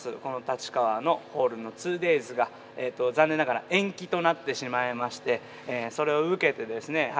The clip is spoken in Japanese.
この立川のホールの２デイズが残念ながら延期となってしまいましてそれを受けてですね